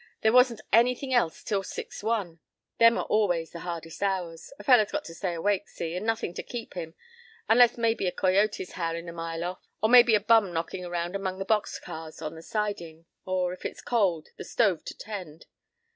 There wasn't anything else till six one. Them are always the hardest hours. A fellow's got to stay awake, see, and nothin' to keep him—unless maybe a coyote howlin' a mile off, or maybe a bum knockin' around among the box cars on the sidin', or, if it's cold, the stove to tend.